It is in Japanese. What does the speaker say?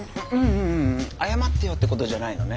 ううんううん謝ってよってことじゃないのね。